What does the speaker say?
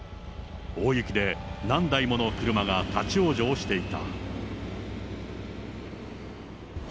大雪で何台もの車が立往生していた。